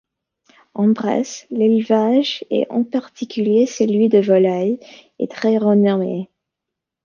En Bresse, l'élevage, et en particulier celui des volailles, est très renommé.